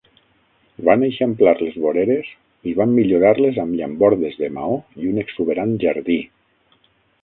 Van eixamplar les voreres i van millorar-les amb llambordes de maó i un exuberant jardí.